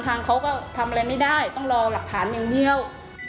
ทางเขาก็ทำอะไรไม่ได้ต้องรอหลักฐานอย่างเดียว